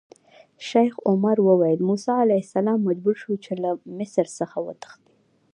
شیخ عمر ویل: موسی علیه السلام مجبور شو چې له مصر څخه وتښتي.